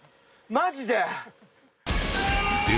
マジで。